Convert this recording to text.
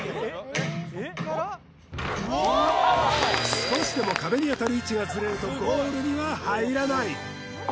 少しでも壁に当たる位置がズレるとゴールには入らない